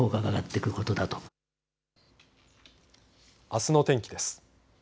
あすの天気です。